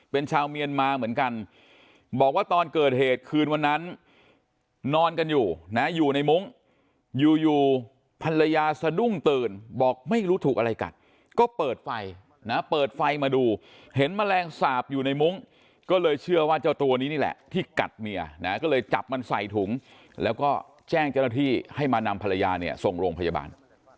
เป็นชาวเมียนมาเหมือนกันบอกว่าตอนเกิดเหตุคืนวันนั้นนอนกันอยู่นะอยู่ในมุ้งอยู่อยู่ภรรยาสะดุ้งตื่นบอกไม่รู้ถูกอะไรกัดก็เปิดไฟนะเปิดไฟมาดูเห็นแมลงสาปอยู่ในมุ้งก็เลยเชื่อว่าเจ้าตัวนี้นี่แหละที่กัดเมียนะก็เลยจับมันใส่ถุงแล้วก็แจ้งเจ้าหน้าที่ให้มานำภรรยาเนี่ยส่งโรงพยาบาล